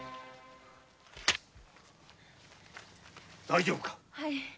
大丈夫か？